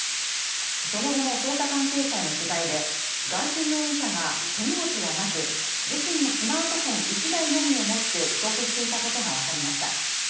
その後の捜査関係者への取材でガーシー容疑者が手荷物はなく、自身のスマートフォン１台のみを持って帰国していたことがわかりました。